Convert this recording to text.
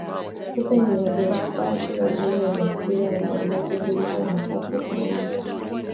Kupe ni wabebaji wazuri wa bakteria wanaoeneza ugonjwa wa mapafu kwa ngombe